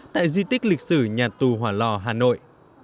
tại di tích lịch sử nhà tù hỏa lò hà nội